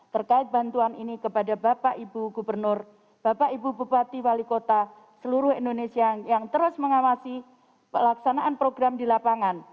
terkait bantuan ini kepada bapak ibu gubernur bapak ibu bupati wali kota seluruh indonesia yang terus mengawasi pelaksanaan program di lapangan